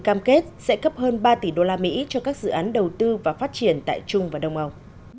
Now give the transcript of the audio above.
cam kết sẽ cấp hơn ba tỷ đô la mỹ cho các dự án đầu tư và phát triển tại trung và đông âu